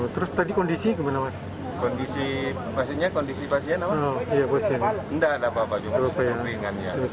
terus tadi kondisi kemana waspondisi pastinya kondisi pasien enggak ada apa apa juga sering